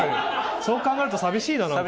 そう考えると寂しいな何かね。